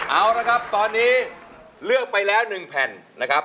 เอาละครับตอนนี้เลือกไปแล้ว๑แผ่นนะครับ